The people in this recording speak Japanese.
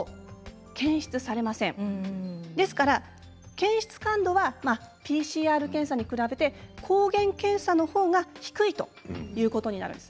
検出感度はＰＣＲ検査に比べて抗原検査のほうが低いということになります。